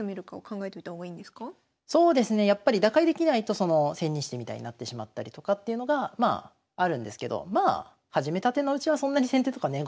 やっぱり打開できないと千日手みたいになってしまったりとかっていうのがあるんですけどまあ始めたてのうちはそんなに先手とかね